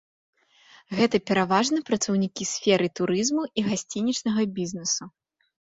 Гэта пераважна працаўнікі сферы турызму і гасцінічнага бізнэсу.